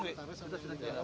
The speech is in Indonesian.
udah tau kapolres